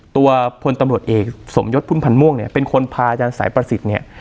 ตัวพลตำรวจเอกสมยศพุ่มพันธ์ม่วงเนี่ยเป็นคนพาอาจารย์สายประสิทธิ์เนี่ย